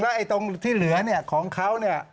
ไอ้ตรงที่เหลือเนี่ยของเขาเนี่ย